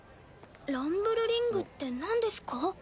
ランブルリングってなんですか？